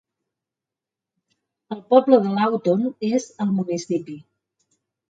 El poble de Lawton és al municipi.